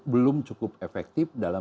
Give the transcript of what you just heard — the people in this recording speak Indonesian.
belum cukup efektif dalam